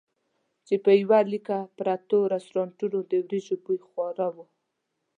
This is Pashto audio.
چې په یوه لیکه پرتو رستورانتونو د وریجو بوی خواره وو.